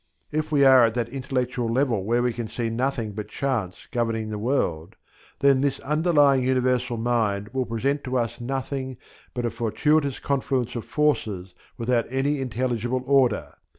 If we are at that intellectual level where we can see nothing but chance governing the world, then this underlying universal mind will present to us nothing but a fortuitous confluence of forces without any intelligible order.